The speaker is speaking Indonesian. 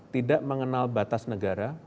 tidak mengenal batas negara